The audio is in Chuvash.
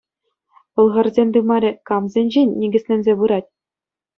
Пӑлхарсен тымарӗ камсенчен никӗсленсе пырать?